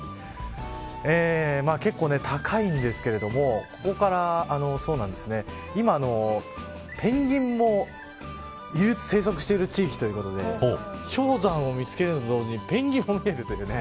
結構、高いんですがここから今、ペンギンも生息している地域ということで氷山を見つけるのと同時にペンギンも見えるというね。